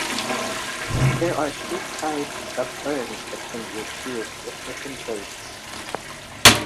There are three types of burns that can be achieved with different grains.